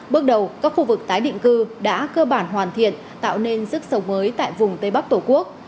bước đầu các khu vực tái định cư đã cơ bản hoàn thiện tạo nên sức sống mới tại vùng tây bắc tổ quốc